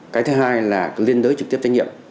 cái thứ hai là liên đối trực tiếp trách nhiệm